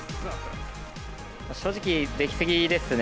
正直、できすぎですね。